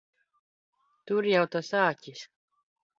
Tur jau tas āķis!